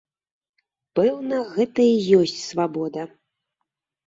Пэўна, гэта і ёсць свабода.